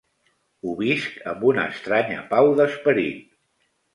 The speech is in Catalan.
Ho visc amb una estranya pau d'esperit.